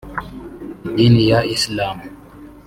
idini ya Islam